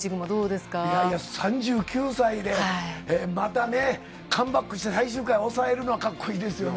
いやいや、３９歳でまたね、カムバックして最終回、抑えるのは、かっこいいですよね。